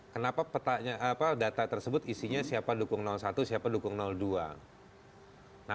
kenapa data tersebut isinya siapa dukung satu siapa dukung dua